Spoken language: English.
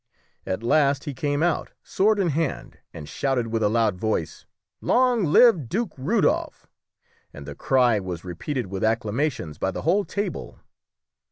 At last he came out, sword in hand, and shouted with a loud voice "Long live Duke Rudolphe!" and the cry was repeated with acclamations by the whole table.